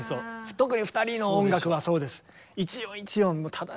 特に２人の音楽はそうです。